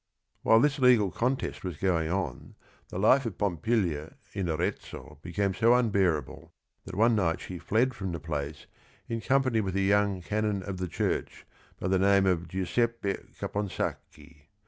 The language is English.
While this legal contest was going on, the life of Pompilia in Arezzo became so unbearable that one night she fled from the place in company with a young canon of the church by the name of Giuseppe Caponsacchi.